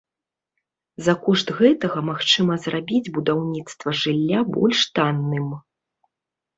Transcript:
За кошт гэтага магчыма зрабіць будаўніцтва жылля больш танным.